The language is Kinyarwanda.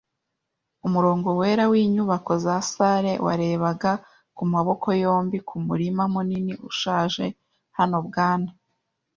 umurongo wera winyubako za salle warebaga kumaboko yombi kumurima munini ushaje. Hano Bwana